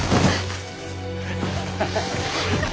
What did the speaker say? ハハハハハ。